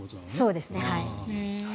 そうですね。